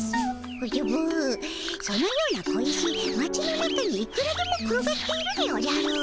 おじゃぶそのような小石町の中にいくらでも転がっているでおじゃる。